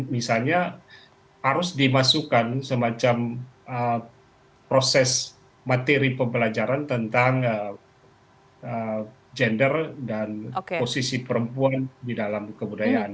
misalnya harus dimasukkan semacam proses materi pembelajaran tentang gender dan posisi perempuan di dalam kebudayaan